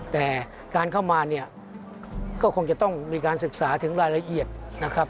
แต่การเข้ามาเนี่ยก็คงจะต้องมีการศึกษาถึงรายละเอียดนะครับ